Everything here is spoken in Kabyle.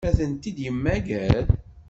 Ad tent-id-yemmager?